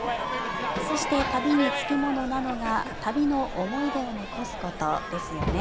そして、旅に付き物なのが旅の思い出を残すことですよね。